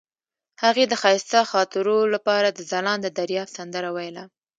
هغې د ښایسته خاطرو لپاره د ځلانده دریاب سندره ویله.